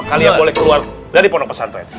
kalian boleh keluar dari pondok pesantren